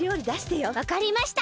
わかりました！